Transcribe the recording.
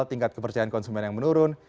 tingkat kepercayaan konsumen yang menurun